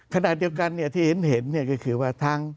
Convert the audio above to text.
ขณะเดียวกันที่เห็นคือทาง